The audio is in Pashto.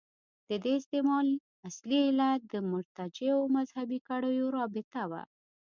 د دې استعمال اصلي علت د مرتجعو مذهبي کړیو رابطه وه.